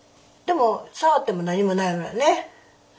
でも触っても何もないわよね。